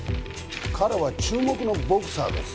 彼は注目のボクサーです。